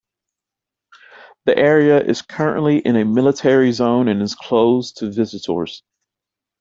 The area is currently in a military zone and is closed to visitors.